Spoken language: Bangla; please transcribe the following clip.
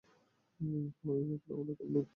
সামরিক ব্যাকগ্রাউন্ড ও এখন নিখোঁজ।